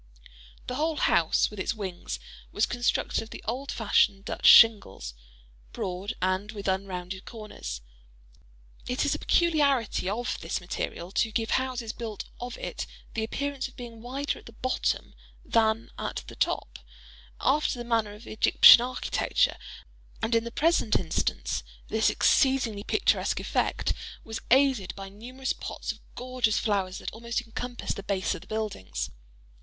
The whole house, with its wings, was constructed of the old fashioned Dutch shingles—broad, and with unrounded corners. It is a peculiarity of this material to give houses built of it the appearance of being wider at bottom than at top—after the manner of Egyptian architecture; and in the present instance, this exceedingly picturesque effect was aided by numerous pots of gorgeous flowers that almost encompassed the base of the buildings.